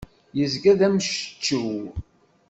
Yezga d amceččew.